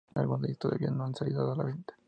Alguno de ellos todavía no han salido a la venta.